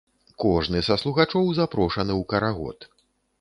Кожны са слухачоў запрошаны ў карагод!